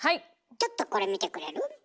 ちょっとこれ見てくれる？